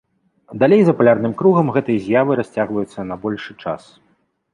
Далей за палярным кругам гэтыя з'явы расцягваецца на большы час.